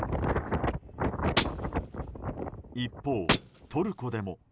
一方、トルコでも。